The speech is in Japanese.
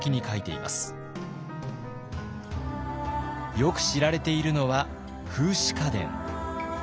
よく知られているのは「風姿花伝」。